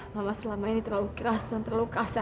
nelain win udah udah